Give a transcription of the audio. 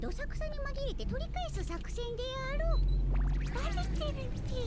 バレてるっピ。